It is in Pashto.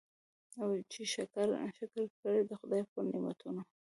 او چي شکر کړي د خدای پر نعمتونو